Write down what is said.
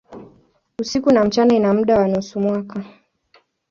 Usiku na mchana ina muda wa nusu mwaka.